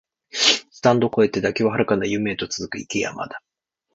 スタンド超えて打球は遥かな夢へと続く、行け山田